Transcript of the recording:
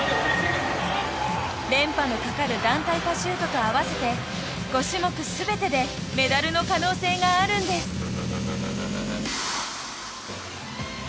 連覇のかかる団体パシュートと合わせて５種目全てでメダルの可能性があるんです。